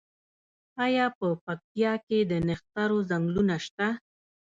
آیا په پکتیا کې د نښترو ځنګلونه شته؟